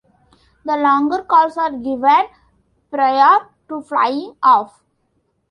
The longer calls are given prior to flying off.